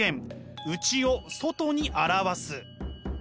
「内を外に表す」。